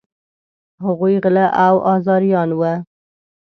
هغوی غله او آزاریان وه.